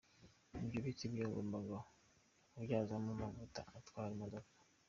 Ibyo biti byagombaga kubyazwamo amavuta atwara imodoka.